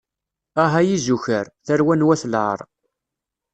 Ah ay izukar, tarwa n wat lɛaṛ.